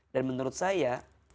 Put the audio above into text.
dan menurut saya